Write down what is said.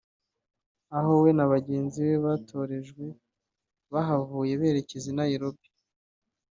Aho we na bagenzi be batorejwe bahavuye berekeza i Nairobi